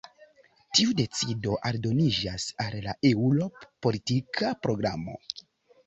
Tiu decido aldoniĝas al la Eŭrop-politika Programo.